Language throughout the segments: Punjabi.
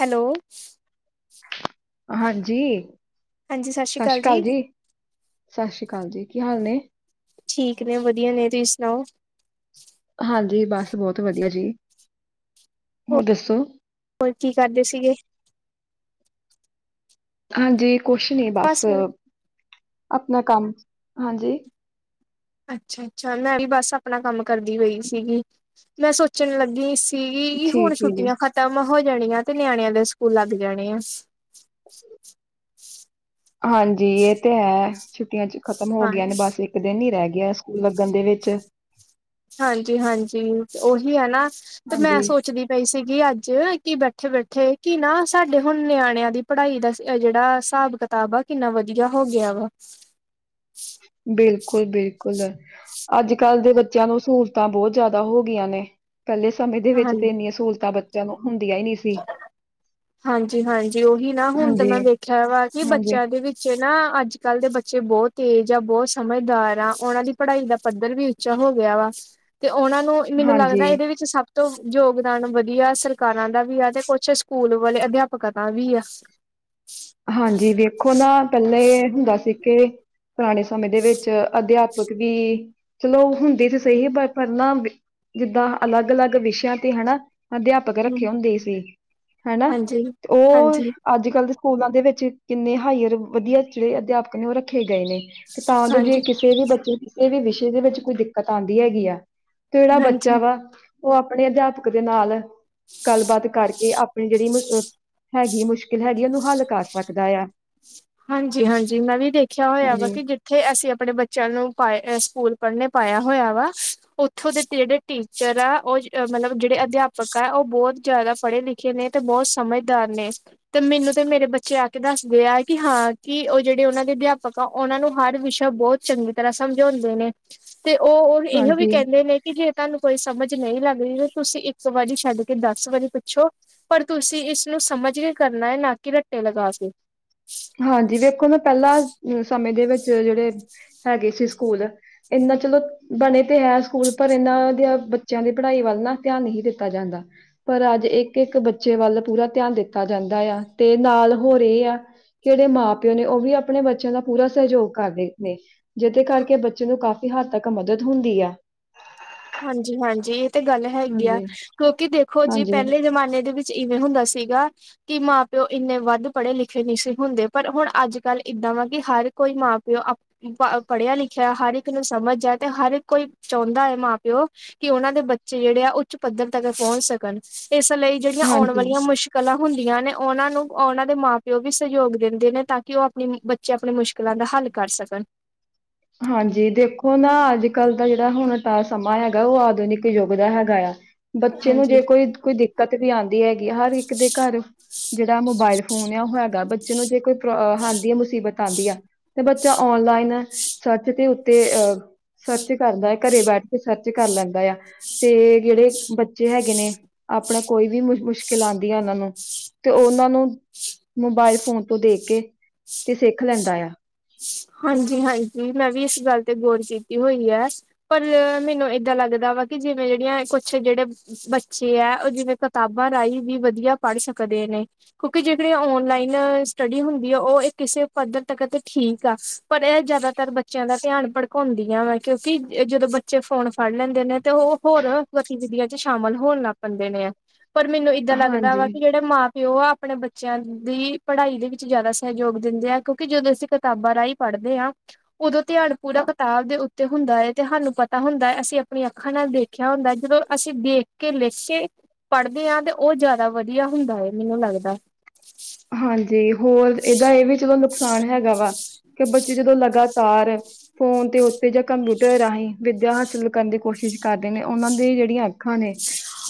ਹੈਲੋ ਹਾਂਜੀ, ਹਾਂਜੀ ਸਤਿ ਸਸ ਅਕਾਲ ਸ਼੍ਰੀ ਕਾਲ ਜੀ ਸਸ ਸ਼੍ਰੀ ਅਕਾਲ ਜੀ ਕੀ ਹਾਲ ਨੇ? ਠੀਕ ਨੇ ਵਧੀਆ ਨੇ ਤੁਸੀਂ ਸੁਣਾਓ,? ਹਾਂਜੀ ਬਸ ਬਹੁਤ ਵਧੀਆ ਜੀ, ਹੋਰ ਦੱਸੋ? ਹੋਰ ਕੀ ਕਰਦੇ ਸੀਗੇ? ਹਾਂਜੀ ਕੁਛ ਨੀ ਬਸ, ਆਪਣਾ ਕੰਮ ਹਾਂਜੀ। ਅੱਛਾ ਅੱਛਾ ਮੈਂ ਵੀ ਬਸ ਆਪਣਾ ਕੰਮ ਕਰਦੀ ਪਈ ਸੀਗੀ, ਮੈਂ ਸੋਚਣ ਲੱਗੀ ਸ ਕੀ ਹੁਣ ਠੀਕ ਈ ਜੀ। ਛੁੱਟੀਆਂ ਖ਼ਤਮ ਹੋ ਜਾਣੀਆਂ ਤੇ ਨਿਆਣਿਆਂ ਦੇ ਸਕੂਲ ਲੱਗ ਜਾਣੇ ਆ। [inaudible] ਹਾਂਜੀ ਏ ਤੇ ਹੈ ਛੁੱਟੀਆਂ ਚ ਖਤਮ ਹੋ ਹਾਂ ਗਈਆਂ ਨੇ ਬਸ ਇੱਕ ਦਿਨ ਹੀ ਰਹਿ ਗਿਆ ਸਕੂਲ ਲੱਗਣ ਦੇ ਵਿੱਚ। ਹਾਂਜੀ ਹਾਂਜੀ ਉਹੀ ਹੈ ਨਾ, ਤੇ ਮੈਂ ਹਾਂਜੀ, ਸੋਚਦੀ ਪਈ ਸੀਗੀ ਅੱਜ ਕਿ ਬੈਠੇ -ਬੈਠੇ ਕਿ ਨਾ ਸਾਡੇ ਹੁਣ ਨਿਆਣਿਆਂ ਦੀ ਪੜ੍ਹਾਈ ਦਾ ਅ ਜਿਹੜਾ ਹਿਸਾਬ ਕਿ ਕਾਬਾ ਕਿੰਨਾ ਵਧੀਆ ਹੋ ਗਿਆ ਵਾ ਬਿਲਕੁਲ ਬਿਲਕੁਲ ਅੱਜ ਕੱਲ੍ਹ ਦੇ ਬੱਚਿਆਂ ਨੂੰ ਸਹੂਲਤਾਂ ਬਹੁਤ ਜ਼ਿਆਦਾ ਹੋ ਗਈਆਂ ਨੇ। ਪਹਿਲੇ ਸਮੇਂ ਦੇ ਵਿੱਚ ਹਾਂਜੀ ਤੇ ਇੰਨੀਆਂ ਸਹੂਲਤਾਂ ਬੱਚਿਆਂ ਨੂੰ ਹੁੰਦੀਆਂ ਨੀ ਸੀ। ਹਾਂਜੀ ਹਾਂਜੀ ਉਹੀ ਨਾ ਹੁਣ ਤਾਂ ਹਾਂਜੀ, ਮੈਂ ਵੇਖਿਆ ਵਾ ਕੀ ਹਾਂਜੀ, ਬੱਚਿਆਂ ਦੇ ਵਿੱਚ ਤੇ ਨਾ ਅੱਜ ਕੱਲ੍ਹ ਦੇ ਬੱਚੇ ਬੋਤ ਤੇਜ਼ ਆ ਬੋਤ ਸਮਝਦਾਰ ਆ ਉਹਨਾਂ ਦੀ ਪੜ੍ਹਾਈ ਦਾ ਪੱਧਰ ਵੀ ਉੱਚਾ ਹੋ ਗਿਆ ਵਾ, ਤੇ ਉਹਨਾਂ ਨੂੰ ਮੈਨੂੰ ਲੱਗਦਾ ਹਾਂਜੀ। ਇਹਦੇ ਵਿੱਚ ਸਭ ਤੋਂ ਯੋਗਦਾਨ ਵਧੀਆ ਸਰਕਾਰਾਂ ਦਾ ਵੀ ਆ ਤੇ ਕੁਛ ਸਕੂਲ ਵਾਲੇ ਅਧਿਆਪਕਾਂ ਦਾ ਵੀ ਐ। [inaudible] ਹਾਂਜੀ ਵੇਖੋ ਨਾ ਪਹਿਲੇ ਹੁੰਦਾ ਸੀ ਕਿ ਪੁਰਾਣੇ ਸਮੇਂ ਦੇ ਵਿੱਚ ਅਧਿਆਪਕ ਵੀ ਚਲੋ, ਹੁੰਦੇ ਸੀ ਸਹੀ ਪਰ -ਪਰ ਨਾ ਜਿੱਦਾਂ ਅਲੱਗ -ਅਲੱਗ ਵਿਸ਼ਿਆਂ ਤੇ ਹਨਾ, ਅਧਿਆਪ ਪਕਰ ਰੱਖੇ ਹੁੰਦੇ ਸੀ ਹਨਾ। ਤੇ ਉਹ ਹਾਂਜੀ-ਹਾਂਜੀ, ਅੱਜ ਕੱਲ ਦੇ ਸਕੂਲਾਂ ਦੇ ਵਿੱਚ ਕਿੰਨੇ ਹਾਇਰ ਵਧੀਆ ਜਿਹੜੇ ਅਧਿਆਪਕ ਨੂੰ ਰੱਖੇ ਗਏ ਨੇ। ਕੀ ਤਾਂ ਜੋ ਜੇ ਕਿਸੇ ਵੀ ਬੱਚੇ ਕਿਸੇ ਵੀ ਵਿਸ਼ੇ ਦੇ ਵਿੱਚ ਕੋਈ ਦਿੱਕਤ ਆਉਂਦੀ ਹੈਗੀ ਐ। ਕਿਹੜਾ ਹਾਂਜੀ-ਹਾਂਜੀ। ਬੱਚਾ ਵਾ ਉਹ ਆਪਣੇ ਅਧਿਆਪਕ ਦੇ ਨਾਲ ਗੱਲਬਾਤ ਕਰਕੇ ਆਪਣੀ ਜਿਹੜੀ ਮੁਸ਼ਕਲ, ਹੈਗੀ ਮੁਸ਼ਕਿਲ ਹੈਗੀ ਉਹਨੂੰ ਹੱਲ ਕਰ ਸਕਦਾ ਆ। ਹਾਂਜੀ ਹਾਂਜੀ ਮੈਂ ਵੀ ਦੇਖਿਆ ਹੋਇਆ ਹਾਂਜੀ ਵਾ ਕਿ ਜੇ ਉੱਥੇ ਅਸੀਂ ਆਪਣੇ ਬੱਚਿਆਂ ਨੂੰ ਪਾਏ ਸਕੂਲ ਪੜ੍ਹਨੇ ਪਾਇਆ ਹੋਇਆ ਵਾ ਉੱਥੋਂ ਦੇ ਜਿਹੜੇ ਟੀਚਰ ਆ ਉਹ ਮਤਲਬ ਜਿਹੜੇ ਅਧਿਆਪਕ ਆ ਉਹ ਬਹੁਤ ਜਿਆਦਾ ਪੜ੍ਹੇ ਲਿਖੇ ਨੇ ਤੇ ਬਹੁਤ ਸਮਝਦਾਰ ਨੇ। ਤੇ ਮੈਨੂੰ ਤੇ ਮੇਰੇ ਬੱਚੇ ਆ ਕੇ ਦੱਸਦੇ ਆ ਕੀ ਹਾਂ ਕੀ ਉਹ ਜਿਹੜੇ ਉਹਨਾਂ ਦੇ ਅਧਿਆਪਕ ਆ ਉਹਨਾਂ ਨੂੰ ਹਰ ਵਿਸ਼ਾ ਬਹੁਤ ਚੰਗੀ ਤਰ੍ਹਾਂ ਸਮਝਾਉਂਦੇ ਨੇ। ਤੇ ਉਹ- ਉਹ ਇਹੋ ਵੀ ਹਾਂਜੀ ਕਹਿੰਦੇ ਨੇ ਕਿ ਜੇ ਤੁਹਾਨੂੰ ਕੋਈ ਸਮਝ ਨੀ ਲੱਗਰੀ ਏ ਤੁਸੀਂ ਇੱਕ ਵਾਰੀ ਛੱਡ ਕੇ ਦੱਸ ਵਾਰੀ ਪੁੱਛੋ। ਪਰ ਤੁਸੀਂ ਇਸਨੂੰ ਸਮਝ ਕੇ ਕਰਨਾ ਐ ਨਾ ਕੀ ਰੱਟੇ ਲਗਾ ਕੇ। ਹਾਂਜੀ ਵੇਖੋ ਨਾ ਪਹਿਲਾਂ ਸਮੇਂ ਦੇ ਵਿੱਚ ਜਿਹੜੇ, ਹੈਗੇ ਸੀ ਸਕੂਲ ਇਨਾ ਚਲੋ, ਬਣੇ ਤੇ ਹੈ ਸਕੂਲ ਪਰ ਇਨਾਂ ਦੀ ਬੱਚਿਆਂ ਦੀ ਪੜ੍ਹਾਈ ਵੱਲ ਨਾ ਧਿਆਨ ਨਹੀਂ ਦਿੱਤਾ ਜਾਂਦਾ। ਪਰ ਅੱਜ ਇੱਕ ਇੱਕ ਬੱਚੇ ਵੱਲ ਪੂਰਾ ਧਿਆਨ ਦਿੱਤਾ ਜਾਂਦਾ ਆ ਤੇ ਨਾਲ ਹੋਰ ਏ ਆ ਕਿਹੜੇ ਮਾਂ ਪਿਓ ਨੇ ਉਹ ਵੀ ਆਪਣੇ ਬੱਚਿਆਂ ਦਾ ਪੂਰਾ ਸਹਿਯੋਗ ਕਰ ਰੇ ਨੇ। ਜਿਦੇ ਕਰਕੇ ਬੱਚੇ ਨੂੰ ਕਾਫ਼ੀ ਹੱਦ ਤੱਕ ਮਦਦ ਹੁੰਦੀ ਆ। ਹਾਂਜੀ ਹਾਂਜੀ, ਇਹ ਤੇ ਗੱਲ ਹੈਗੀ ਆ ਹਾਂਜੀ ਕਿਉਂਕਿ ਦੇਖੋ ਜੀ ਹਾਂਜੀ ਪਹਿਲੇ ਜਮਾਨੇ ਦੇ ਵਿੱਚ ਇਵੇਂ ਹੁੰਦਾ ਸੀਗਾ। ਕਿ ਮਾਂ-ਪਿਓ ਇੰਨੇ ਵੱਧ ਪੜ੍ਹੇ ਲਿਖੇ ਨੀ ਸੀ ਹੁੰਦੇ ਪਰ ਹੁਣ ਅੱਜ ਕੱਲ੍ਹ ਏਦਾਂ ਵਾ ਕਿ ਹਰ ਕੋਈ ਮਾਂ-ਪਿਓ ਪੜ੍ਹਿਆ ਲਿਖਿਆ ਹਰ ਇੱਕ ਨੂੰ ਸਮਝ ਐ ਤੇ ਹਰ ਇੱਕ ਕੋਈ ਚਾਹੁੰਦਾ ਐ ਮਾਂ-ਪਿ ਓ ਕਿ ਉਹਨਾਂ ਦੇ ਬੱਚੇ ਜਿਹੜੇ ਆ ਉੱਚ ਪੱਧਰ ਤੱਕ ਪਹੁੰਚ ਸਕਣ ਇਸ ਲਈ ਜਿਹੜੀਆਂ ਆਉਣ ਹਾਂਜੀ ਵਾਲੀਆਂ ਮੁਸ਼ ਕਲਾਂ ਹੁੰਦੀਆਂ ਨੇ ਉਹਨਾਂ ਨੂੰ ਉਹਨਾਂ ਦੇ ਮਾਂ-ਪਿਓ ਵੀ ਸਹਿਯੋਗ ਦਿੰਦੇ ਨੇ ਤਾਂ ਕਿ ਉਹ ਆਪਣੀ ਬੱਚੇ ਆਪਣੀ ਮੁਸ਼ਕਿਲਾਂ ਦਾ ਹੱਲ ਕਰ ਸਕਣ। ਹਾਂਜੀ, ਦੇਖੋ ਨਾ ਅੱਜ ਕੱਲ੍ਹ ਦਾ ਜਿਹੜਾ ਹੁਣ ਦਾ ਸਮਾਂ ਹੈਗਾ ਉਹ ਆਧੁਨਿਕ ਯੁੱਗ ਦਾ ਹੈਗਾ ਆ। ਬੱਚੇ ਨੂੰ ਹਾਂਜੀ ਜੇ ਕੋਈ ਕੋਈ ਦਿੱਕਤ ਵੀ ਆਂਦੀ ਹੈਗੀ ਆ ਹਰ ਇੱਕ ਦੇ ਘਰ ਜਿਹੜਾ ਮੋਬਾਇਲ ਫੋਨ ਆ ਉਹ ਹੈਗਾ ਬੱਚੇ ਨੂੰ ਜੇ ਕੋਈ ਆਂਦੀ ਆ ਮੁਸੀਬਤ ਆਂਦੀ ਆ। ਤੇ ਬੱਚਾ ਔਨਲਾਈਨ ਸਰਚ ਦੇ ਉੱਤੇ ਅ ਸਰਚ ਕਰਦਾ ਆ ਘਰੇ ਬੈਠ ਕੇ ਸਰਚ ਕਰ ਲੈਂਦਾ ਆ ਤੇ ਜਿਹੜੇ ਬੱਚੇ ਹੈਗੇ ਨੇ ਆਪਣਾ ਕੋਈ ਵੀ ਮੁ ਮੁਸ਼ਕ ਖਲਾਂਦੀ ਆ ਉਹਨਾਂ ਨੂੰ ਤੇ ਉਹਨਾਂ ਨੂੰ ਮੋਬਾਇਲ ਫੋਨ ਤੋਂ ਦੇਖ ਕੇ ਤੇ ਸਿੱਖ ਲੈਂਦਾ ਆ। ਹਾਂਜੀ ਹਾਂਜੀ, ਮੈਂ ਵੀ ਇਸ ਗੱਲ ਤੇ ਗੌਰ ਕੀਤੀ ਹੋਈ ਆ। ਪਰ ਮੈਨੂੰ ਏਦਾਂ ਲੱਗਦਾ ਵਾ ਕਿ ਜਿਵੇਂ ਜਿਹੜੀਆਂ ਕੁਛ ਜਿਹੜੇ ਬੱਚੇ ਐ ਓ ਜਿਵੇਂ ਕਿਤਾਬਾਂ ਰਾਹੀਂ ਵੀ ਵਧੀਆ ਪੜ੍ਹ ਸਕਦੇ ਨੇ। ਕਿਉਂਕਿ ਜਿਹੜੀ ਓਨਲਾਈਨ ਸਟੱਡੀ ਹੁੰਦੀ ਆ ਓ ਕਿਸੇ ਪੱਧਰ ਤੱਕ ਤੇ ਠੀਕ ਪਰ ਇਹ ਜ਼ਿਆਦਾਤਰ ਬੱਚਿਆਂ ਦਾ ਧਿਆਨ ਭੜਕਾਉਂਦੀਆਂ ਵਾ ਕਿਉਂਕਿ ਜਦੋਂ ਬੱ, ਚੇ ਫੋਨ ਫੜ ਲੈਂਦੇ ਨੇ ਤੇ ਉਹ ਹੋਰ ਗਤੀਵਿਧੀਆਂ ਚ ਸ਼ਾਮਲ ਹੋਣ ਲੱਗ ਪੈਂਦੇ ਨੇ ਪਰ ਮੈਨੂੰ ਇੱਦਾਂ ਲੱਗਦਾ ਵਾ ਹਾਂਜੀ ਕਿ ਜਿਹੜਾ ਮਾਂ ਪਿਓ ਆਪਣੇ ਬੱਚਿਆਂ ਦੀ ਪੜ੍ਹਾਈ ਦੇ ਵਿੱਚ ਜ਼ਿਆਦਾ ਸਹਿਯੋਗ ਦਿੰਦੇ ਆ ਕਿਉਂਕਿ ਜਦੋਂ ਅਸੀਂ ਕਿਤਾਬਾਂ ਰਾਹੀਂ ਪੜ੍ਹਦੇ ਆ। ਉਦੋਂ ਧਿਆਨਾ ਪੂਰਾ ਕਿਤਾਬ ਦੇ ਉੱਤੇ ਹੁੰਦਾ ਏ ਤੇ ਸਾਨੂੰ ਪਤਾ ਹੁੰਦਾ ਐ ਅਸੀਂ ਆਪਣੀਆਂ ਅੱਖਾਂ ਨਾਲ ਦੇਖ ਦੇਖਿਆ ਹੁੰਦਾ ਜਦੋਂ ਅਸੀਂ ਦੇਖ ਕੇ ਲਿੱਖ ਕੇ, ਪੜ੍ਹਦੇ ਆ ਤੇ ਉਹ ਜ਼ਿਆਦਾ ਵਧੀਆ ਹੁੰਦਾ ਐ ਮੈਨੂੰ ਲੱਗਦਾ। ਹਾਂਜੀ ਹੋਰ ਏਦਾ ਇਹ ਵੀ ਚਲੋ ਨੁਕਸਾਨ ਹੈਗਾ ਵਾ ਕਿ ਬੱਚੇ ਜਦੋਂ, ਜੋ ਲਗਾਤਾਰ ਫੋਨ ਦੇ ਉੱਤੇ ਜਾਂ ਕੰਪਿਊਟਰ ਰਾਹੀਂ ਵਿੱਦਿਆ ਹਾਸਲ ਕਰਨ ਦੀ ਕੋਸ਼ਿਸ਼। ਕਰਦੇ ਨੇ ਉਹਨਾਂ ਦੀ ਜਿਹੜੀਆਂ ਅੱਖਾਂ ਨੇ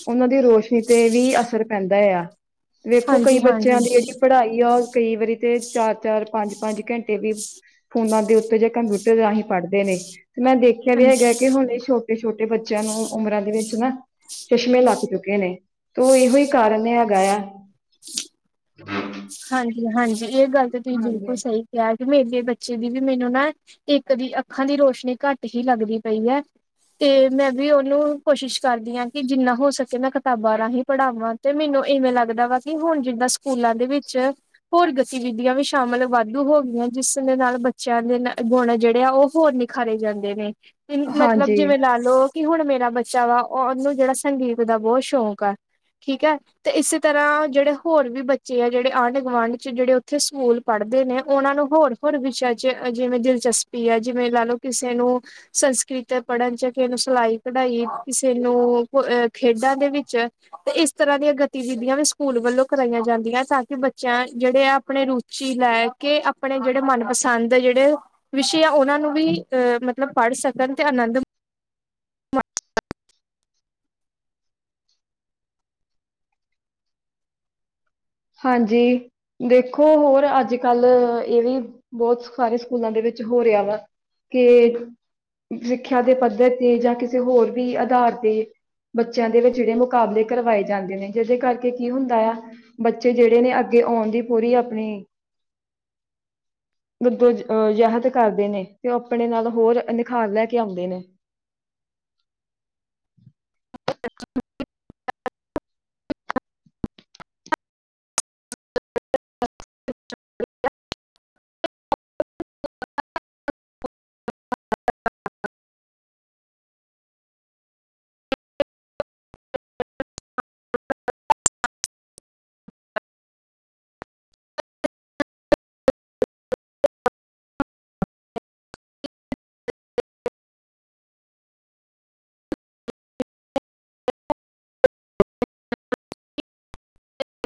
ਉਹਨਾਂ ਦੀ ਰੋਸ਼ਨੀ ਤੇ ਵੀ ਅਸਰ ਪੈਂਦਾ ਆ। ਵੇਖੋ ਕਈ ਹਾਂਜੀ ਬੱਚਿਆਂ ਹਾਂਜੀ ਦੀ ਜਿਹੜੀ ਪੜ੍ਹਾਈ ਆ ਓ ਕਈ ਵਾਰੀ ਤੇ ਚਾਰ ਚਾਰ। ਪੰਜ ਪੰਜ ਘੰਟੇ ਵੀ ਫੋਨਾਂ ਦੇ ਉੱਤੇ ਜਾਂ ਕੰਪਿਊਟਰ ਰਾਹੀਂ ਪੜ੍ਹਦੇ ਨੇ ਤੇ ਮੈਂ ਦੇਖ ਖਿਆ ਵੀ ਹਾਂਜੀ ਹੈਗਾ ਕਿ ਹੁਣ ਇਹ ਛੋਟੇ ਛੋਟੇ ਬੱਚਿਆਂ ਨੂੰ ਉਮਰਾਂ ਦੇ ਵਿੱਚ ਨਾ ਚਸ਼ਮੇ ਲੱਗ ਚੁੱਕੇ ਨੇ ਤੇ ਓ ਇਹੋ ਹੀ ਕਾਰਨ ਹੈਗਾ ਆ। [inaudible] ਹਾਂਜੀ ਹਾਂਜੀ, ਏ ਗੱਲ ਤਾਂ ਤੁਸੀਂ ਹਾਂਜੀ ਬਿਲਕੁਲ ਸਹੀ ਕਿਹਾ ਕਿ ਮੇਰੇ ਬੱਚੇ ਦੀ ਵੀ ਮੈਨੂੰ ਨਾ ਇੱਕ ਦੀ ਅੱਖਾਂ ਦੀ ਰੋਸ਼ਨੀ ਘੱਟ ਹੀ ਲੱਗਦੀ ਪਈ ਐ। ਤੇ ਮੈਂ ਵੀ ਉਹਨੂੰ ਕੋਸ਼ਿਸ਼ ਕਰਦੀ ਆ ਕਿ ਜਿੰਨਾ ਹੋ ਸਕੇ ਮੈਂ ਕਿਤਾਬਾਂ ਰਾਹੀਂ ਪੜ੍ਹਾਵਾਂ। ਤੇ ਮੈਨੂੰ ਇਵੇਂ ਲੱਗਦਾ ਵਾ ਕਿ ਹੁਣ ਜਿੱਦਾਂ ਸਕੂਲਾਂ ਦੇ ਵਿੱਚ ਹੋਰ ਗਤੀਵਿਧੀਆਂ ਵੀ ਸ਼ਾਮਿਲ ਵਾਧੂ ਹੋ ਗਈਆਂ ਜਿਸ ਦੇ ਨਾਲ ਬੱਚਿਆਂ ਦੇ ਗੁਣ ਜਿਹੜੇ ਆ ਉਹ ਹੋਰ ਨਿ ਖਰੇ ਜਾਂਦੇ ਨੇ ਤੇ ਮਤਲਬ ਹਾਂਜੀ ਜਿਵੇਂ ਲਾਲੋ। ਕਿ ਹੁਣ ਮੇਰਾ ਬੱਚਾ ਵਾ ਉਹਨੂੰ ਜਿਹੜਾ ਸੰਗੀਤ ਦਾ ਬਹੁਤ ਸ਼ੌਕ ਆ ਠੀਕ ਹੈ, ਤੇ ਇਸੇ ਤਰ੍ਹਾਂ ਜਿਹੜੇ ਹੋਰ ਵੀ ਬੱਚੇ ਹੈ। ਜਿਹੜੇ ਆਂਢ ਗੁਆਂਢ ਚ ਜਿਹੜੇ ਉੱਥੇ ਸਕੂਲ ਪੜ੍ਹਦੇ ਨੇ ਉਹਨਾਂ ਨੂੰ ਹੋਰ ਹੋਰ ਵਿਸ਼ਾ ਚ ਜਿਵੇਂ ਦਿਲਚਸਪੀ। ਆ ਜਿਵੇਂ ਲਾ ਲਓ ਕਿਸੇ ਨੂੰ ਸੰਸਕ੍ਰਿਤ ਪੜਨ ਚ, ਕਿਸੇ ਨੂੰ ਸਿਲਾਈ ਕਢਾਈ, ਕਿਸੇ ਨੂੰਹ ਖੇਡਾਂ ਦੇ ਵਿੱਚ। ਤੇ ਇਸ ਤਰ੍ਹਾਂ ਦੀਆਂ ਗਤੀਵਿਧੀਆਂ ਵੀ ਸਕੂਲ ਵੱਲੋਂ ਕਰਾਈਆਂ ਜਾਂਦੀਆਂ ਤਾਂ। ਕਿ ਬੱਚਾ ਜਿਹੜੇ ਆਪਣੇ ਰੁਚੀ ਲੈ ਕੇ, ਆਪਣੇ ਜਿਹੜੇ ਮਨਪਸੰਦ ਦੇ ਜਿਹੜੇ ਵਿਸ਼ੇ ਆ ਉਹਨਾਂ ਨੂੰ ਵੀ ਅਹ ਮਤਲਬ ਪੜ੍ਹ ਸਕਣ, ਤੇ ਆਨੰਦ ਹਾਂਜੀ। ਦੇਖੋ ਹੋਰ ਅੱਜ ਕੱਲ੍ਹ ਇਹ ਵੀ, ਬਹੁਤ ਸਾਰੇ ਸਕੂਲਾਂ ਦੇ ਵਿੱਚ ਹੋ ਰਿਹਾ ਵਾ ਕੇ, ਸਿੱਖਿਆ ਦੇ ਪੱਧਰ ਤੇ ਜਾਂ ਕਿਸੇ ਹੋਰ ਵੀ ਆਧਾਰ ਤੇ ਬੱਚਿਆਂ ਦੇ ਵਿੱਚ ਜਿਹੜੇ ਮੁਕਾਬਲੇ ਕਰਵਾਏ ਜਾਂਦੇ ਨੇ। ਜਿਹਦੇ ਕਰਕੇ ਕੀ ਹੁੰਦਾ ਆ ਬੱਚੇ ਜਿਹੜੇ ਨੇ ਅੱਗੇ ਆਉਣ ਦੀ ਪੂਰੀ ਆਪਣੀ [inaudible] ਜਦੋ ਜ਼ਾਹਦ ਕਰਦੇ ਨੇ, ਤੇ ਉਹ ਆਪਣੇ ਨਾਲ ਹੋਰ ਨਿਖਾਰ ਲੈ ਕੇ ਆਉਂਦੇ ਨੇ ਅ [unintelligible] [unintelligible] [unintelligible]